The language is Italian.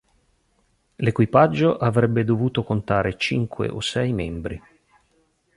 L'equipaggio avrebbe dovuto contare cinque o sei membri.